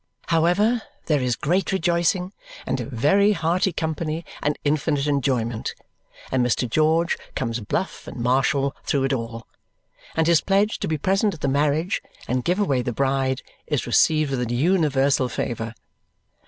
However, there is great rejoicing and a very hearty company and infinite enjoyment, and Mr. George comes bluff and martial through it all, and his pledge to be present at the marriage and give away the bride is received with universal favour.